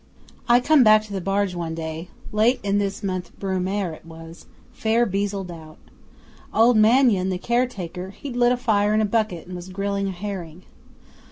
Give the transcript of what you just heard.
'I come back to the barge one day late in this month Brumaire it was fair beazled out. Old Maingon, the caretaker, he'd lit a fire in a bucket and was grilling a herring.